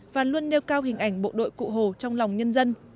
và luôn nêu cao hình ảnh bộ đội cụ hồ trong lòng nhân dân